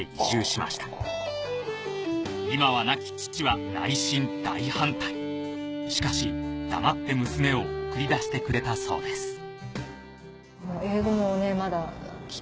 今は亡き父は内心大反対しかし黙って娘を送り出してくれたそうです